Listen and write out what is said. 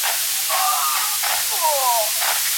ملتونه څنګه په بهرنیو چارو کي خپلواکي ساتي؟